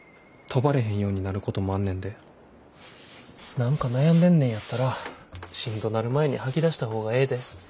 何か悩んでんねんやったらしんどなる前に吐き出した方がええで。